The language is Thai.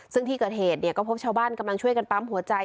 ซึ่งที่เกิดเหตุก็พบชาวบ้านกำลังช่วยกันปั๊มหัวใจ